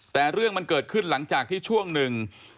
แต่เรื่องมันเกิดขึ้นหลังจากที่ช่วงหนึ่ง